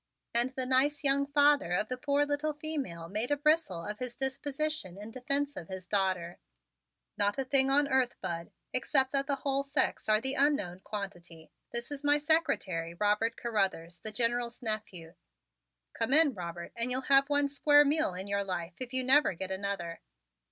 And the nice young father of the poor little female made a bristle of his disposition in defense of his daughter. "Not a thing on earth, Bud; except that the whole sex are the unknown quantity. This is my secretary, Robert Carruthers, the General's nephew. Come in, Robert, and you'll have one square meal in your life if you never get another.